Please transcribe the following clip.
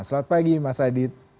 selamat pagi mas adit